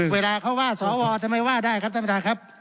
เวลาเขาว่าสวทำไมว่าได้ครับท่านประธานครับ